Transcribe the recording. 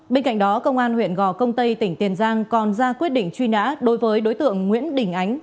bên cạnh đó công an huyện gò công tây tỉnh tiền giang còn ra quyết định truy nã đối với đối tượng nguyễn đình ánh